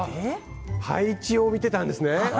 配置を見てたんですね！